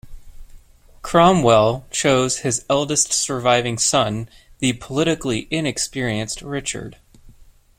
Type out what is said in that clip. Cromwell chose his eldest surviving son, the politically inexperienced Richard.